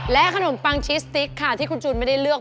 และขนมปังชีสติ๊กที่กูจูนไม่ได้เลือก